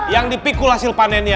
yang dipikul hasil panennya